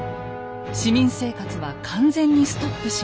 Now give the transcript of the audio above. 市民生活は完全にストップします。